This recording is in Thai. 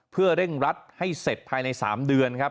เพื่อเร่งรัดให้เสร็จภายใน๓เดือนครับ